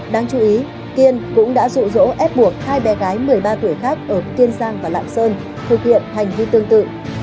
đáng chú ý kiên cũng đã rụ rỗ ép buộc hai bé gái một mươi ba tuổi khác ở kiên giang và lạng sơn thực hiện hành vi tương tự